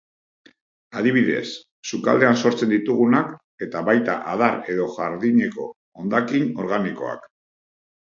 Adibidez sukaldean sortzen ditugunak, eta baita adar edo jardineko hondakin organikoak.